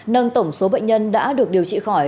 nâng tổng số bệnh nhân đã được điều trị khỏi